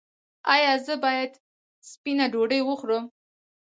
ایا زه باید سپینه ډوډۍ وخورم؟